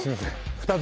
２つ？